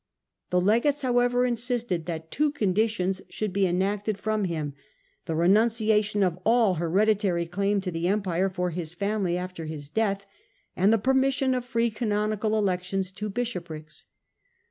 The legates, however, insisted that two conditions should be exacted from him J the renunciation of all hereditary claim to the empire for his family afler his death'^and the permission of free canonical elections to bishoprics.